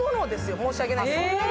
申し訳ないけど。